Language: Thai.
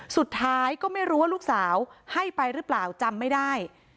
สุดท้ายก็ไม่รู้ว่าลูกสาวให้ไปหรือเปล่าจำไม่ได้